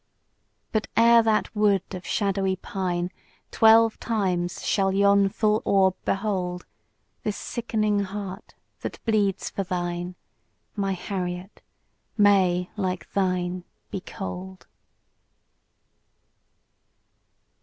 But ere that wood of shadowy pine Twelve times shall yon full orb behold, This sickening heart, that bleeds for thine, My Harriet! may like thine be cold!